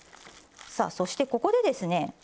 さあそしてここでですね